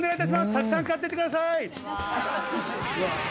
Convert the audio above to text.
たくさん買ってってください。